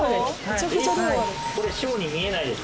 これ小に見えないです。